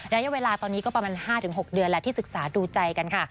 ระยะเวลาตอนนี้ก็ประมาณ๕๖เดือนแล้วที่ศึกษาดูใจกันค่ะ